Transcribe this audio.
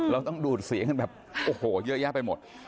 เราต้องดูดเสียงกันแบบโอ้โหเยอะแยะไปหมด